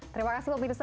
terima kasih pemirsa